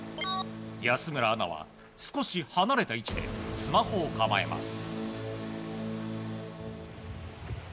安村アナは少し離れた位置でスマホを構えます。